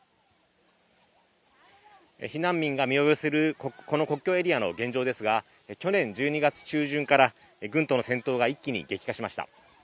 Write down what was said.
避難民が身を寄せるこの国境エリアの現状ですが去年１２月中旬から軍との戦闘が一気に激化しました。